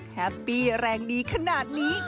แฮปปี้แรงดีขนาดนี้